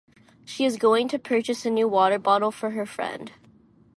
She is going to purchase a new water bottle for her friend.